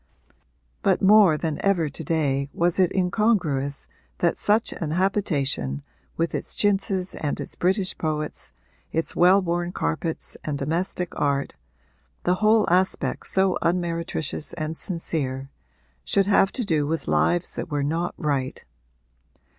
But more than ever to day was it incongruous that such an habitation, with its chintzes and its British poets, its well worn carpets and domestic art the whole aspect so unmeretricious and sincere should have to do with lives that were not right.